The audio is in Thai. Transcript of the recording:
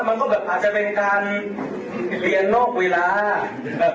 มันก็แบบอาจจะเป็นการเรียนนอกเวลาแบบ